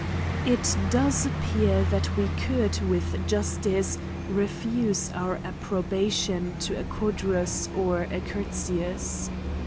'^ It does appear that we could with justice refuse our approbation to a Codrus or a Curtius.